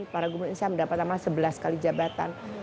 para gubernur ini saya mendapat amanah sebelas kali jabatan